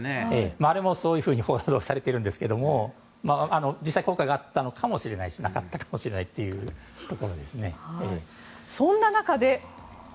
あれもそういうふうに報道されていますが実際に効果があったかもしれないしなかったかもしれないというところですね。